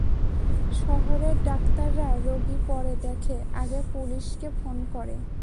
শহরের ডাক্তাররা রোগী পরে দেখে, আগে পুলিশকে ফোন করে।